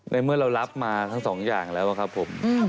เมื่อเรารับมาทั้งสองอย่างแล้วครับผม